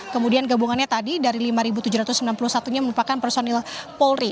kemudian gabungannya tadi dari lima tujuh ratus sembilan puluh satu nya merupakan personil polri